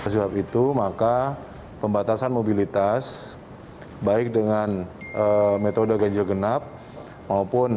sebab itu maka pembatasan mobilitas baik dengan metode ganjil genap maupun